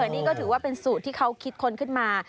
นี่ก็ถือว่าเป็นสูตรที่เขาคิดค้นขึ้นมา